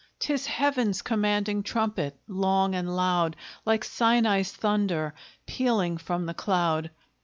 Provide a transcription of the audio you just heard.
'Tis Heaven's commanding trumpet, long and loud, Like Sinai's thunder, pealing from the cloud!